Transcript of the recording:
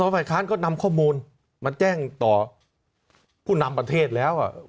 ฝ่ายค้านก็นำข้อมูลมาแจ้งต่อผู้นำประเทศแล้ว